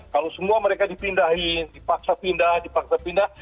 kalau semua mereka dipindahin dipaksa pindah